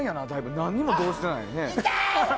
何も動じてないね。